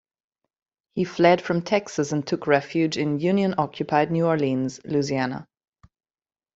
He fled from Texas and took refuge in Union-occupied New Orleans, Louisiana.